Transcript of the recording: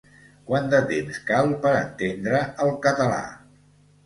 Quant de temps cal per entendre el català?